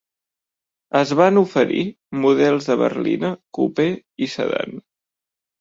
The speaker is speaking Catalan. Es van oferir models de berlina, coupé i sedan.